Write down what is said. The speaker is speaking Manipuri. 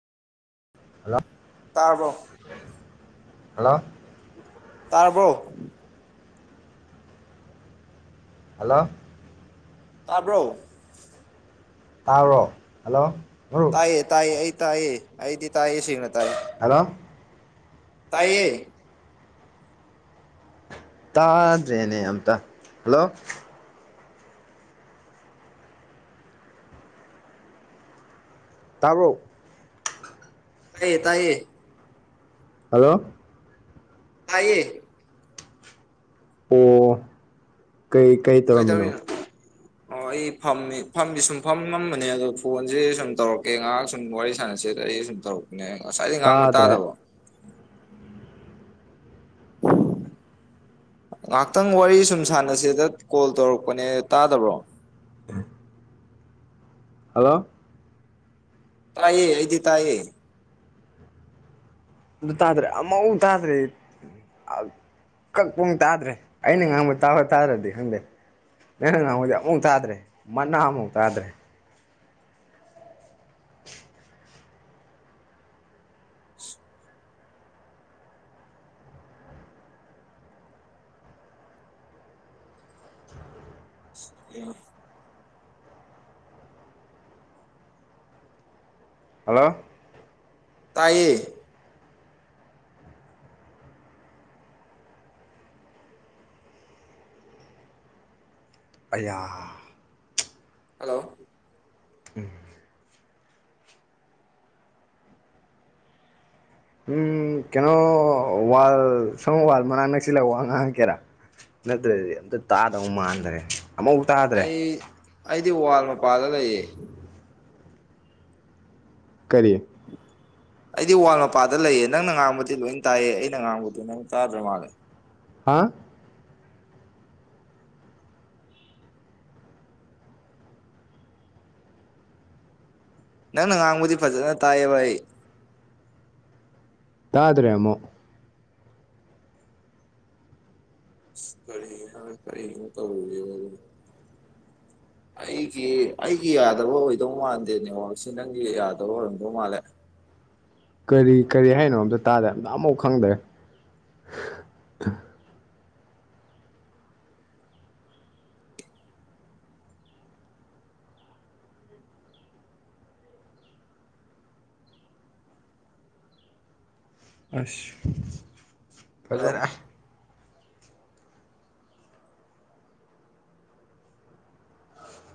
ꯍꯜꯂꯣ ꯇꯥꯔꯕꯣ ꯍꯂꯣ ꯇꯔꯕꯣ ꯍꯜꯂꯣ ꯇꯥꯕ꯭ꯔꯣ ꯇꯥꯔꯣ ꯍꯜꯂꯣ ꯃꯔꯨꯞ ꯇꯥꯏꯌꯦ ꯇꯥꯏꯌꯦ ꯑꯩ ꯇꯥꯏꯌꯦ ꯑꯩꯗꯤ ꯇꯥꯏꯌꯦ ꯁꯤꯒꯅ ꯇꯥꯏ ꯍꯂꯣ ꯇꯥꯏꯌꯦ ꯇꯥꯗ꯭ꯔꯦꯅꯦ ꯑꯇ ꯍꯜꯂꯣ ꯇꯥꯕꯣ ꯇꯥꯏꯌꯦ ꯇꯥꯏꯌꯦ ꯍꯜꯂꯣ ꯇꯌꯦ ꯑꯣ ꯀꯩ ꯀꯩ ꯇꯧꯔꯝꯃꯤꯅꯣ ꯇꯔꯅ ꯑꯣ ꯑꯩ ꯐꯝꯃꯤ ꯐꯝꯗꯤ ꯁꯨꯝ ꯐꯝ ꯅꯝꯕꯅꯦ ꯑꯗꯣ ꯐꯣꯟꯁꯦ ꯁꯨꯝ ꯇꯧꯔꯛꯀꯦ ꯉꯥꯏꯍꯥꯛ ꯁꯨꯝ ꯋꯥꯔꯤ ꯁꯥꯟꯅꯁꯦ ꯑ ꯑꯩ ꯁꯨꯝ ꯇꯧꯔꯛꯄꯅꯦ ꯉꯁꯥꯏꯗꯒꯤ ꯉꯥꯡꯕ ꯇꯥꯗ꯭ꯔꯦ ꯇꯥꯗꯕꯣ ꯉꯍꯥꯛꯇꯪ ꯋꯥꯔꯤ ꯁꯨꯝ ꯁꯥꯟꯅꯁꯦꯗ ꯀꯣꯜ ꯇꯧꯔꯛꯄꯅꯦ ꯇꯥꯗꯕ꯭ꯔꯣ ꯍꯜꯂꯣ ꯇꯥꯏꯌꯦ ꯑꯩꯗꯤ ꯇꯥꯏꯌꯦ ꯑꯗꯨ ꯇꯥꯗ꯭ꯔꯦ ꯃꯎ ꯇꯥꯖ꯭ꯔꯦ ꯀꯛꯄꯨꯡ ꯇꯥꯗ꯭ꯔꯦ ꯑꯩꯅ ꯉꯥꯡꯕ ꯇꯥꯕ ꯇꯥꯗ꯭ꯔꯗꯤ ꯈꯪꯗꯦ ꯅꯪꯅꯪ ꯅꯍꯣꯏꯗꯤ ꯑꯃꯨꯛ ꯇꯥꯗ꯭ꯔꯦ ꯃꯅꯥ ꯑꯃꯨꯛ ꯇꯥꯗ꯭ꯔꯦ [inaudible] ꯎ ꯍꯜꯂꯣ ꯇꯥꯏꯌꯦ ꯑꯩ ꯍꯜꯂꯣ ꯎꯝ ꯎꯝ ꯀꯩꯅꯣ ꯋꯥꯜ ꯁꯪ ꯋꯥꯜ ꯃꯛ ꯅꯛꯁꯤꯜꯂ ꯋꯥ ꯉꯥꯡꯥꯡꯀꯦꯔꯥ ꯅꯠꯇ꯭ꯔꯗꯤ ꯑꯝꯇ ꯇꯥꯗꯕ ꯃꯥꯟꯗꯔꯦ ꯑꯃ ꯑꯩ ꯑꯩꯗꯤ ꯋꯥꯋꯥꯜ ꯃꯄꯥꯗ ꯂꯩꯌꯦ ꯀꯔꯤ ꯑꯩꯗꯤ ꯋꯥꯜ ꯃꯄꯥꯗ ꯂꯩꯌꯦ ꯅꯪꯅ ꯉꯥꯡꯕꯗꯤ ꯂꯣꯏ ꯇꯥꯏꯌꯦ ꯑꯩꯅ ꯉꯥꯡꯕꯗꯤ ꯅꯪ ꯇꯥꯗ꯭ꯔ ꯃꯥꯜꯂꯦ ꯍꯥ ꯅꯪꯅ ꯉꯥꯡꯕꯗꯤ ꯐꯖꯅ ꯇꯥꯏ ꯍꯥꯏꯕ ꯑꯩ ꯇꯥꯗ꯭ꯔꯦ ꯑꯃꯨꯛ ꯀꯔꯤꯅꯣ ꯀꯔꯤꯅꯣ ꯇꯧꯔꯤꯖꯤꯕꯨ ꯑꯩꯒꯤ ꯑꯩꯒꯤ ꯌꯥꯗ꯭ꯔꯕ ꯑꯣꯏꯗꯧ ꯃꯥꯟꯗꯦ ꯅꯦꯋꯥꯥꯛꯁꯤ ꯅꯪꯒꯤ ꯌꯥꯗꯕ ꯑꯣꯏꯔꯝꯗꯧ ꯃꯥꯜꯂꯦ ꯀꯔꯤ ꯀꯔꯤ ꯍꯥꯏꯅꯣ ꯑꯝꯇ ꯇꯥꯗꯦ ꯑꯝꯇ ꯑꯃꯐꯥꯎ ꯈꯪꯗ꯭ꯔꯦ ꯑꯁ ꯍꯜꯂꯣ ꯐꯖꯔꯦ